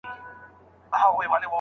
آیا سهارنۍ مطالعه تر ماښامنۍ ګټوره ده؟